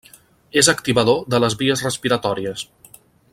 És activador de les vies respiratòries.